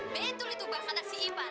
betul itu bar anak si ipan